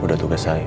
udah tugas saya